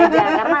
oh satu piring aja